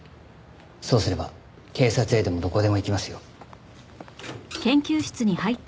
そうすれば警察へでもどこへでも行きますよ。